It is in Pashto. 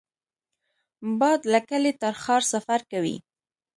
باد له کلي تر ښار سفر کوي